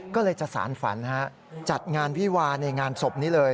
ก็เลยจะสารฝันฮะจัดงานวิวาในงานศพนี้เลย